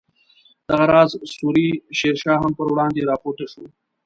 دغه راز سوري شیر شاه هم پر وړاندې راپورته شو.